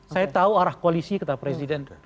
saya tahu arah koalisi ketat presiden